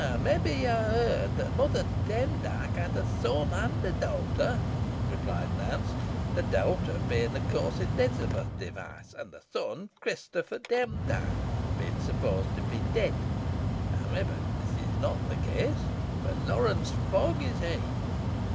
"Maybe yo ha heerd tell that Mother Demdike had a son and a dowter," replied Nance; "the dowter bein', of course, Elizabeth Device; and the son, Christopher Demdike, being supposed to be dead. Howsomever, this is not the case, for Lawrence Fogg is he."